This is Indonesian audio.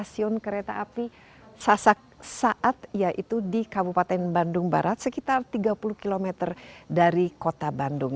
stasiun kereta api sasak saat yaitu di kabupaten bandung barat sekitar tiga puluh km dari kota bandung